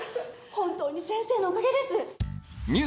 本当に先生のおかげです！